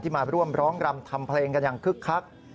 มาร่วมร้องรำทำเพลงกันอย่างคึกคัก